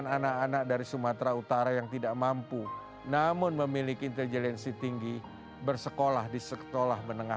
karena akhirnya anak anak aceh itu mampu menjadi pribadi yang unggul beriman cerdas berkarakter